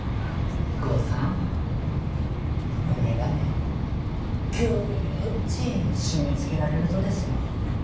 豪さん胸がねギュッち締めつけられるとですよ。